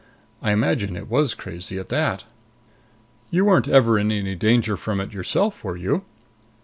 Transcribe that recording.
I imagine it was crazy, at that." "You weren't ever in any danger from it yourself, were you?"